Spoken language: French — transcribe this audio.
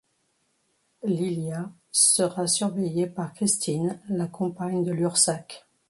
Lilia sera surveillée par Christine, la compagne de Lursac.